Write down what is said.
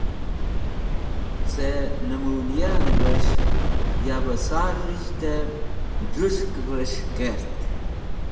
Cẽ nemũnyanes̃h yavẽ sar rizhdẽ, j̃ũs̃hkẽvs̃h kert,